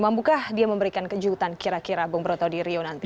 mampukah dia memberikan kejutan kira kira bung broto di rio nanti